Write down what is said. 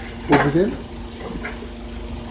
Umnen?